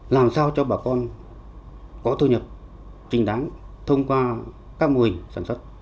làm sao cho bà con có thu nhập trình đáng thông qua các mô hình sản xuất